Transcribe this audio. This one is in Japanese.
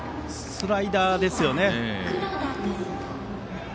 スライダーですよね。